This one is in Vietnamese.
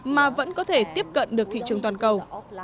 mà vẫn có thể tiếp cận được thị trường toàn cầu